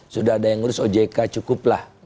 sudah ada yang ngurus ojk cukuplah